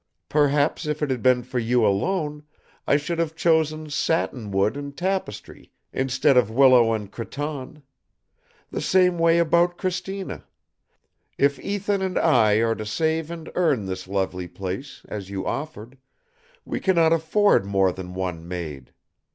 Perhaps if it had been for you alone, I should have chosen satin wood and tapestry instead of willow and cretonne. The same way about Cristina. If Ethan and I are to save and earn this lovely place, as you offered, we cannot afford more than one maid.